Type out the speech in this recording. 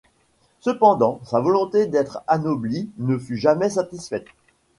Cependant, sa volonté d'être anobli ne fut jamais satisfaite.